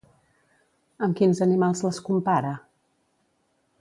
Amb quins animals les compara?